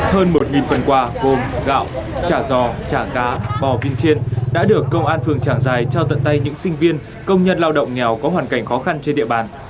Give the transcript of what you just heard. hơn một phần quà gồm gạo trà giò chả cá bò kinh chiên đã được công an phường trảng giải trao tận tay những sinh viên công nhân lao động nghèo có hoàn cảnh khó khăn trên địa bàn